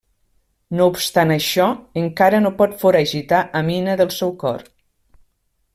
No obstant això, encara no pot foragitar Amina del seu cor.